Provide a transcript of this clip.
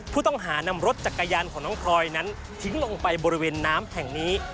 ผู้ต้องหานำรถจักรยานของน้องพลอยนั้นทิ้งลงไปบริเวณน้ำแห่งนี้